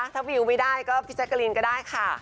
ถ้าวิวไม่ได้ก็พี่แจ๊กกะลีนก็ได้ค่ะ